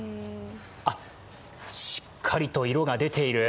あっ、しっかりと色が出ている。